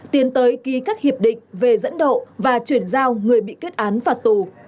tiến tới kỳ các hiệp định về dẫn độ và chuyển giao người bị kết án vào tù